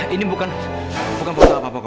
ini bukan foto apa pak